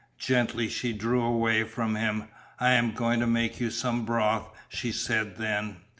Gently she drew away from him. "I am going to make you some broth," she said then.